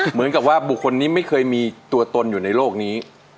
เหมือนกับว่าบุคคลนี้ไม่เคยมีตัวตนอยู่ในโลกนี้